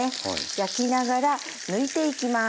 焼きながら抜いていきます。